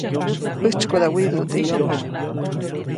‒ʼäjtsykoda widuʼu teʼ yomoʼ-.